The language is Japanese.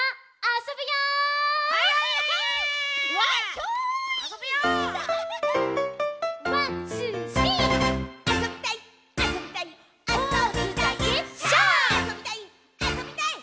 あそびたい！」